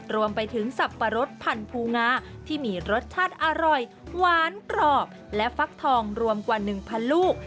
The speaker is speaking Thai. รวมไปถึงสับปะรดพันธูงาที่มีรสชาติอร่อยหวานกรอบและฟักทองรวมกว่า๑๐๐ลูก